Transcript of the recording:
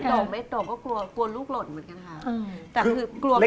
โด่งไม่โด่งก็กลัวลูกหล่นเหมือนกันค่ะ